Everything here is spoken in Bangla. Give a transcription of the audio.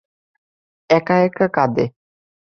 একা একা কাঁদে।